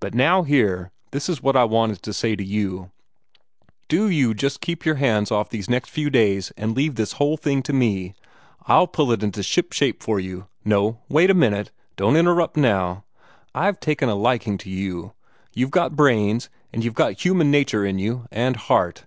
But now here, this is what I wanted to say to you: Do you just keep your hands off these next few days, and leave this whole thing to me. I'll pull it into shipshape for you. No wait a minute don't interrupt now. I have taken a liking to you. You've got brains, and you've got human nature in you, and heart.